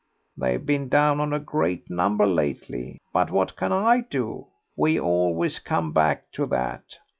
"They've been down on a great number lately, but what can I do? We always come back to that.